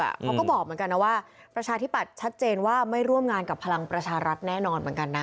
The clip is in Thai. เขาก็บอกเหมือนกันนะว่าประชาธิปัตย์ชัดเจนว่าไม่ร่วมงานกับพลังประชารัฐแน่นอนเหมือนกันนะ